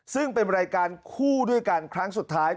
ซึ่งเป็นรายการคู่ด้วยกันครั้งสุดท้าย